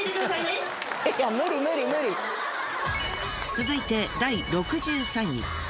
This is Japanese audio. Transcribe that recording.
続いて第６３位。